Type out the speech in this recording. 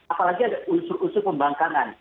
apalagi ada unsur unsur pembangkangan